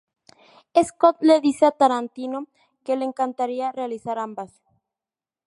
Scott le dice a Tarantino que le encantaría realizar ambas.